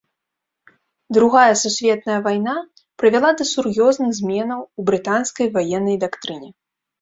Другая сусветная вайна прывяла да сур'ёзных зменаў у брытанскай ваеннай дактрыне.